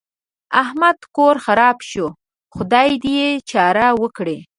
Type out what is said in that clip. احمد کور خراپ شو؛ خدای دې يې چاره وکړي.